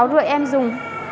sáu rưỡi em dùng